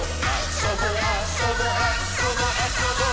「そぼあそぼあそぼあそぼっ！」